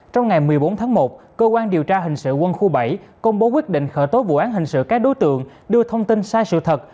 trong ngày một mươi bốn tháng một cơ quan điều tra hình sự quân khu bảy công bố quyết định khởi tố vụ án hình sự các đối tượng đưa thông tin sai sự thật